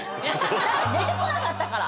だって出てこなかったから！